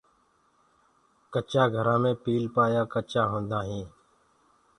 ڪچآ گھرآ مي پيلپآيآ ڪچآ هوندآ هينٚ۔